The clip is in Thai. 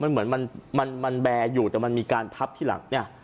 มันเหมือนมันแบร์อยู่แต่มันมีการพับที่หลังเนี่ย